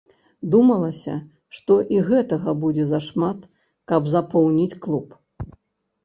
Думалася, што і гэтага будзе зашмат, каб запоўніць клуб.